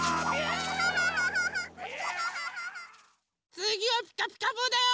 つぎは「ピカピカブ！」だよ。